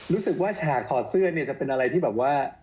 รู้สึกว่าฉากหอเสื้อจะเป็นอะไรที่แบบว่า